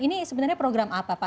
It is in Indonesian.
ini sebenarnya program apa pak